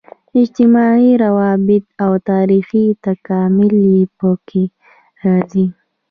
اجتماعي روابط او تاریخي تکامل یې په کې راځي.